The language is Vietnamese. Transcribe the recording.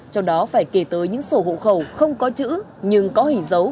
trong đó phải kể tới những sổ hộ khẩu không có chữ nhưng có hình dấu